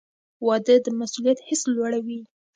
• واده د مسؤلیت حس لوړوي.